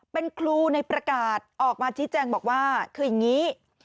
เป็นครูในประกาศออกมาชี้แจงบอกว่าคืออย่างนี้